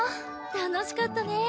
楽しかったね。